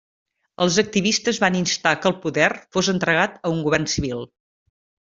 Els activistes van instar que el poder fos entregat a un govern civil.